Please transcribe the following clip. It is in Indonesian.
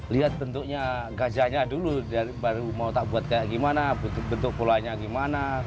lihat bentuknya gajahnya dulu baru mau tak buat kayak gimana bentuk polanya gimana